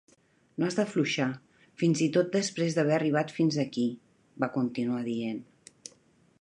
"No has d'afluixar, fins i tot després d'haver arribat fins aquí", va continuar dient.